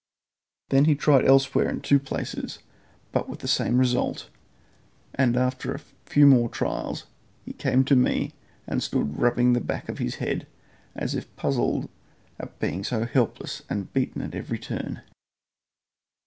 Then he tried elsewhere in two places, but with the same result, and after a few more trials he came to me and stood rubbing the back of his head, as if puzzled at his being so helpless and beaten at every turn.